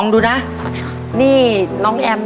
ได้มั้ย